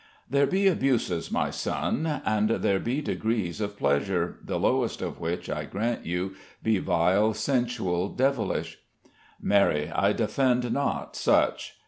"There be abuses, my son: and there be degrees of pleasure, the lowest of which (I grant you) be vile, sensual, devilish. Marry, I defend not such.